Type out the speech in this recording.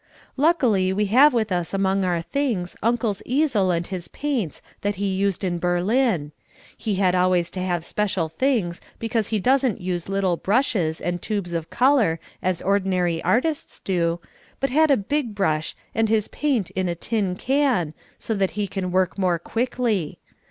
Luckily we have with us among our things Uncle's easel and his paints that he used in Berlin. He had always to have special things because he doesn't use little brushes and tubes of colour as ordinary artists do, but had a big brush and his paint in a tin can, so that he can work more quickly.